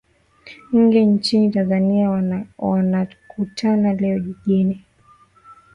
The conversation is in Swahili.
nge nchini tanzania wanakutana leo jijini